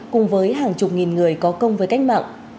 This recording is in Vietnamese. cùng với hàng chục nghìn người có công với cách mạng